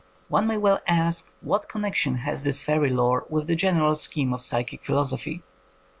One may well ask what connection has this fairy lore with the general scheme of psychic philosophy